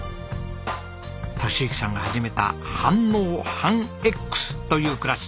敏之さんが始めた半農半Ｘという暮らし。